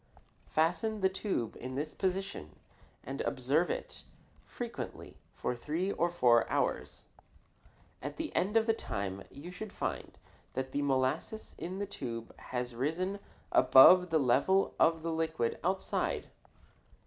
Fasten the tube in this position and observe it frequently for three or four hours. At the end of the time you should find that the molasses in the tube has risen above the level of the liquid outside.